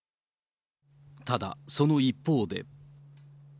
ただ、その一方で。